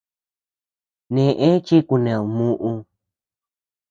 Neʼë chi kuned muʼu.